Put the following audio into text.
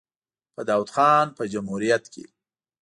په داوود خان په جمهوریت کې.